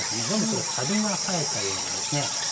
これ、カビが生えたようなんですね。